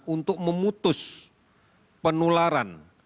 untuk memutus penularan